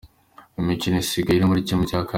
Imikino isigaye yo muri ¼ :.